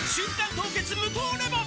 凍結無糖レモン」